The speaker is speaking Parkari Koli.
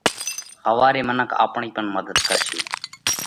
ۿوَاري منک آپڻئِي پڻ مڌت ڪرشي۔